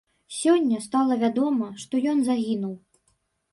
Сёння стала вядома, што ён загінуў.